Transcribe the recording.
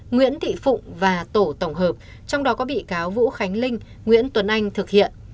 nguyễn thị phụng và tổ tổng hợp trong đó có bị cáo vũ khánh linh nguyễn tuấn anh thực hiện